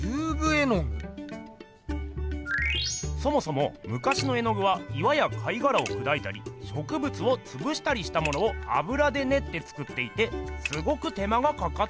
そもそもむかしの絵具は岩や貝がらをくだいたりしょくぶつをつぶしたりしたものをあぶらでねって作っていてすごく手間がかかっていました。